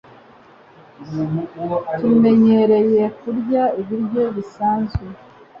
Tumenyereye kurya ibiryo bisanzwe